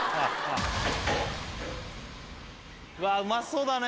うわうまそうだね！